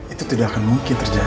itu tidak akan mungkin terjadi